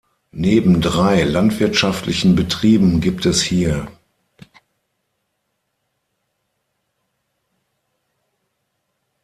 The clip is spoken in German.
Neben drei landwirtschaftlichen Betrieben gibt es hier